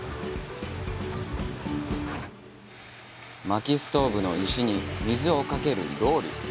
まきストーブの石に水をかけるロウリュ。